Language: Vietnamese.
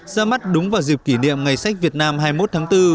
ra mắt đúng vào dịp kỷ niệm ngày sách việt nam hai mươi một tháng bốn